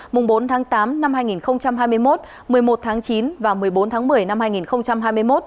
mùng bốn tháng tám năm hai nghìn hai mươi một một mươi một tháng chín và một mươi bốn tháng một mươi năm hai nghìn hai mươi một